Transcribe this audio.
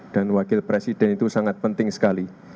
dan wakil presiden itu sangat penting sekali